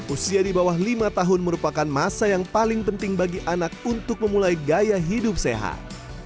usia di bawah lima tahun merupakan masa yang paling penting bagi anak untuk memulai gaya hidup sehat